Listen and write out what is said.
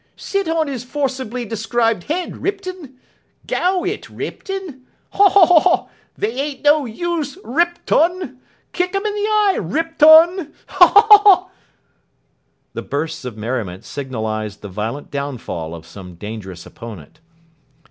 Sit on his forcibly described head, Ripton! Gow it, Ripton! Haw, Haw, Haw! They ain't no use, RIPton! Kick 'im in the eye, RipTON! Haw, Haw, Haw!" The bursts of merriment signalised the violent downfall of some dangerous opponent.